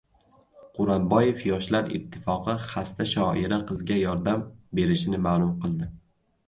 Quranboyev Yoshlar ittifoqi xasta shoira qizga yordam berishini ma’lum qildi